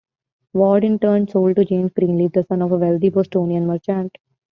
Ward, in turn, sold to James Greenleaf, the son of a wealthy Bostonian merchant.